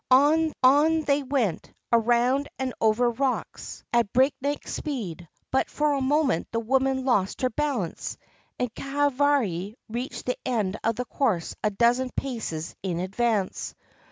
On, on they went, around and over rocks, 523 ISLANDS OF THE PACIFIC at breakneck speed; but for a moment the woman lost her balance, and Kahavari reached the end of the course a dozen paces in advance.